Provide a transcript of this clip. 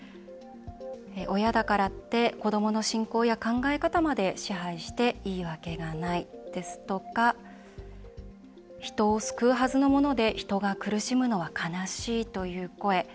「親だからって、子どもの信仰や考え方まで支配していいわけがない」ですとか「人を救うはずのもので人が苦しむのは悲しい」という声。